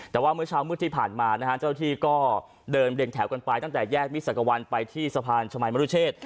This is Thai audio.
แต่ว่าเมื่อเช้ามืดที่ผ่านมานะฮะเจ้าที่ก็เดินเรียงแถวกันไปตั้งแต่แยกมิสักวันไปที่สะพานชมัยมรุเชษ